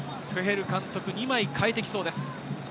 トゥヘル監督、２枚、変えてきそうです。